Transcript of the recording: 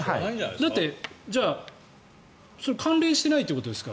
だって、そこは関連してないということですか？